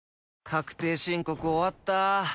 確定申告終わった。